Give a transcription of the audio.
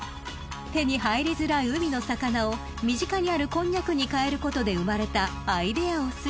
［手に入りづらい海の魚を身近にあるこんにゃくにかえることで生まれたアイデアおすし。